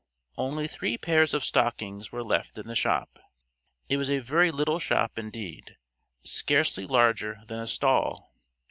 Only three pairs of stockings were left in the shop. It was a very little shop indeed, scarcely larger than a stall.